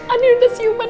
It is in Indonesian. ani udah siuman